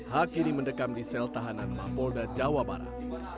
hak ini mendekam di sel tahanan mapolda jawa barat